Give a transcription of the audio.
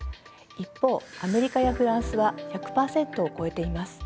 一方アメリカやフランスは１００％を超えています。